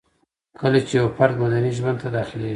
کله چي يو فرد مدني ژوند ته داخليږي